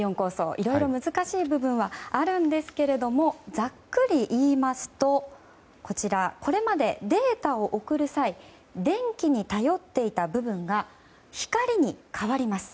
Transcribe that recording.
いろいろ難しい部分はありますがざっくり言いますとこれまで、データを送る際電気に頼っていた部分が光に代わります。